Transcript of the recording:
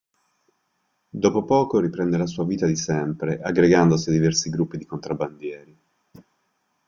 Dopo poco riprende la sua vita di sempre, aggregandosi a diversi gruppi di contrabbandieri.